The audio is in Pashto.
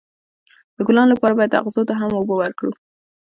د ګلانو لپاره باید اغزو ته هم اوبه ورکړو.